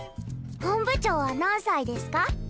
本部長は何歳ですか？